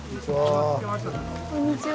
こんにちは。